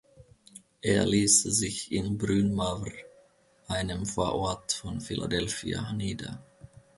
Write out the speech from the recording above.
Er ließ sich in Bryn Mawr, einem Vorort von Philadelphia, nieder.